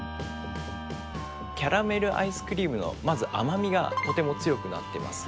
キャラメルアイスクリームの甘味がとても強くなってます。